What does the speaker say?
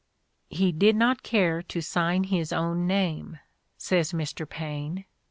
"He did not care to sign his own name," says Mr. Paine.